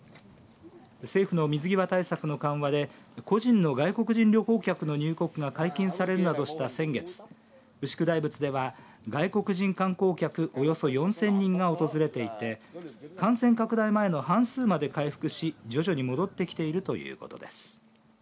政府の水際対策の緩和で個人の外国人旅行客の入国が解禁されるなどした先月牛久大仏では外国人観光客およそ４０００人が訪れていて感染拡大前の半数まで回復し徐々に戻ってきているということです。